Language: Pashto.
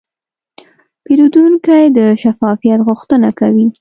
پیرودونکی د شفافیت غوښتنه کوي.